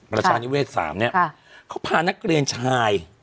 ประชานิเวศสามนี้ค่ะเขาพานักเรียนชาย